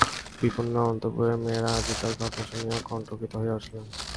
বিপিনের অন্তঃপুরের মেয়েরা আজিকার ঘটনা শুনিয়া কণ্টকিত হইয়া উঠিলেন।